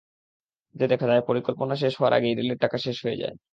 এতে দেখা যায়, পরিকল্পনা শেষ হওয়ার আগেই রেলের টাকা শেষ হয়ে যায়।